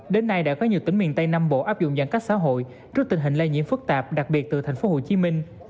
đến nay đã có nhiều tỉnh miền tây nam bộ áp dụng giãn cách xã hội trước tình hình lây nhiễm phức tạp đặc biệt từ thành phố hồ chí minh